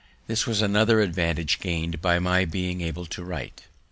This was another advantage gain'd by my being able to write.